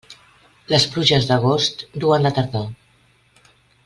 Les pluges d'agost duen la tardor.